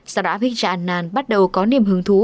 sau đó abhigya anand bắt đầu có niềm hứng thú